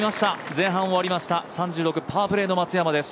前半終わりました、３６、パープレーの松山です。